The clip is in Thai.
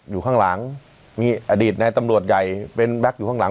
อยู่ข้างหลังมีอดีตในตำรวจใหญ่เป็นแก๊กอยู่ข้างหลัง